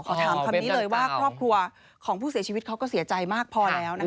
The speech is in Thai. ขอถามคำนี้เลยว่าครอบครัวของผู้เสียชีวิตเขาก็เสียใจมากพอแล้วนะคะ